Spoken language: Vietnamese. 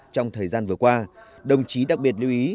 trong thời gian vừa qua đồng chí đặc biệt lưu ý